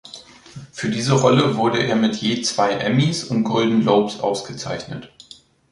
Für diese Rolle wurde er mit je zwei Emmys und Golden Globes ausgezeichnet.